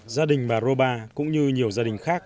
gia đình bà roba cũng như nhiều gia đình khác